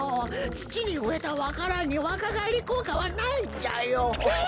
つちにうえたわか蘭にわかがえりこうかはないんじゃよ。え！？